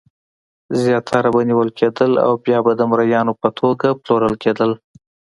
زیاتره به نیول کېدل او بیا د مریانو په توګه پلورل کېدل.